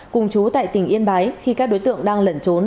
cùng chú tại tỉnh yên bái khi các đối tượng đang lẩn trốn